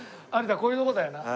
こういうところだよな。